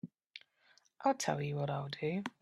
I'll tell you what I'll do.